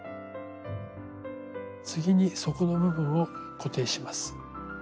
次に底の部分を固定します。